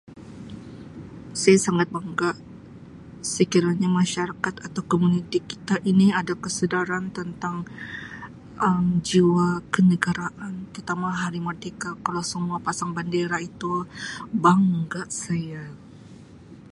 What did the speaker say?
saya sangat bangga sekiranya masyarakat atau komuniti kita ini ada kesedaran tentang Um jiwa kenegaraan, kita mau hari merdeka kalau semua pasang bendera itu bangga saya.